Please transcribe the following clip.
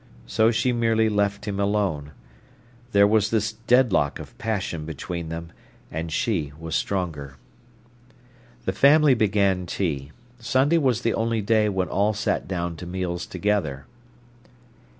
So she merely left him alone. There was this deadlock of passion between them, and she was stronger. The family began tea. Sunday was the only day when all sat down to meals together.